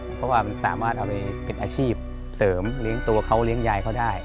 เพราะว่ามันสามารถเอาไปเป็นอาชีพเสริมเลี้ยงตัวเขาเลี้ยงยายเขาได้